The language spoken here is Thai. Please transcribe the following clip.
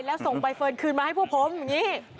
แล้วส่งใบเฟิร์นคืนมาให้พวกผมอย่างนี้